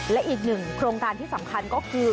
และอีกหนึ่งโครงการที่สำคัญก็คือ